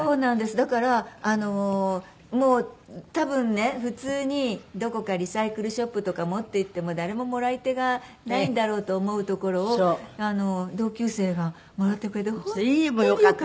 だからもう多分ね普通にどこかリサイクルショップとか持っていっても誰ももらい手がないんだろうと思うところを同級生がもらってくれて本当によかった。